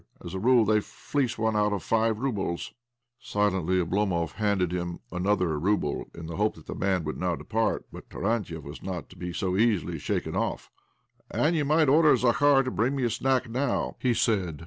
As a rule they fleece one of five roubles." Silently Oblomov handed him another rouble, in the hope that thfe man would now depart ; but Tarantiev was not to be so easily shaken off. " And also you migbt order Zakhar to bring me a snack now," he said.